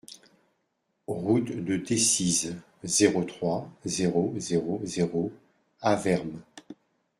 Route de Decize, zéro trois, zéro zéro zéro Avermes